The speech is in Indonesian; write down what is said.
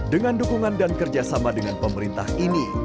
dengan dukungan dan kerjasama dengan pemerintah ini